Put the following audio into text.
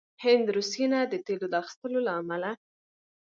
هند روسيې نه د تیلو د اخیستلو له امله